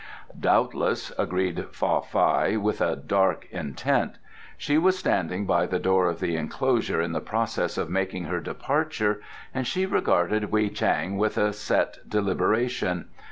"Doubtless," agreed Fa Fai, with a dark intent. She was standing by the door of the enclosure in the process of making her departure, and she regarded Wei Chang with a set deliberation.